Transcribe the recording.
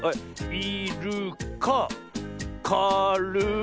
い・る・かか・る・い。